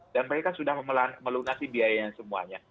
dan mereka sudah melunasi biayanya semuanya